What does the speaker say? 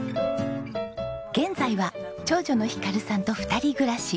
現在は長女の暉さんと二人暮らし。